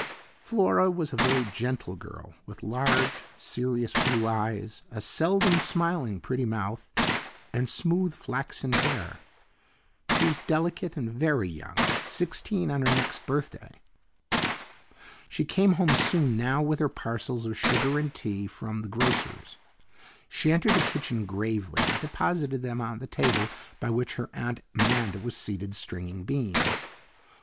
Flora was a very gentle girl, with large, serious blue eyes, a seldom smiling, pretty mouth, and smooth flaxen hair. She was delicate and very young sixteen on her next birthday. She came home soon now with her parcels of sugar and tea from the grocer's. She entered the kitchen gravely and deposited them on the table by which her Aunt Amanda was seated stringing beans.